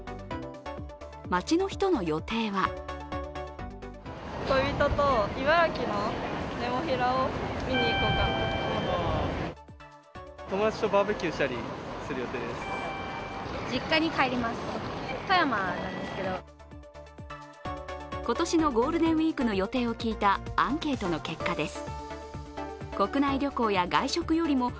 街の人の予定は今年のゴールデンウイークの予定を聞いたアンケートの結果です。